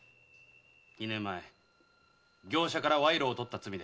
二年前業者から賄賂を取った罪で。